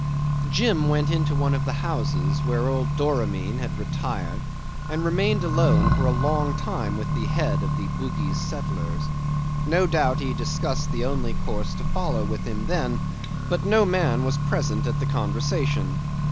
Jim went into one of the houses, where old Doramin had retired, and remained alone for a long time with the head of the Bugis settlers. No doubt he discussed the course to follow with him then, but no man was present at the conversation.